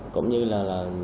cũng như là